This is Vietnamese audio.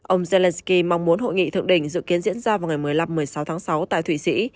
ông zelenskyy mong muốn hội nghị thượng đỉnh dự kiến diễn ra vào ngày một mươi năm một mươi sáu tháng sáu tại thụy sĩ